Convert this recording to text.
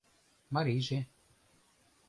«Марийже?